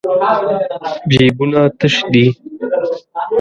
جېبونه تش دي.